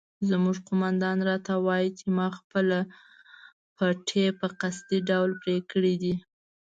زموږ قومندان راته وایي چې ما خپله پټۍ په قصدي ډول پرې کړې ده.